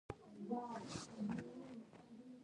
هغوی د ډونر هېوادونو پورې منحصر پاتې کیږي.